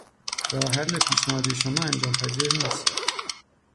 راه حل پیشنهادی شما انجام پذیر نیست.